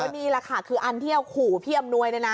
นี่แหละค่ะคืออันที่เอาขู่พี่อำนวยเนี่ยนะ